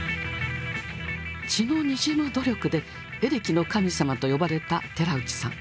血のにじむ努力で「エレキの神様」と呼ばれた寺内さん。